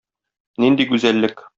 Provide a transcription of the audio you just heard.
Нинди гүзәллек!